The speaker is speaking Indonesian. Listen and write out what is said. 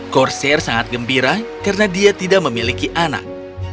corsair sangat gembira karena dia tidak memiliki anak